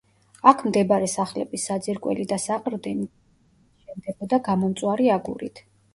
აქ მდებარე სახლების საძირკველი და საყრდენი ძირითადათ შენდებოდა გამომწვარი აგურით.